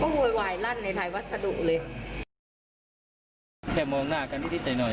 ก็หวยวายลั่นในถ่ายวัสดุเลยแค่มองหน้ากันที่ติดใจหน่อย